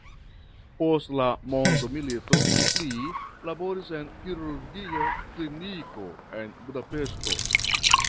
Post la mondomilito li laboris en kirurgia kliniko en Budapeŝto.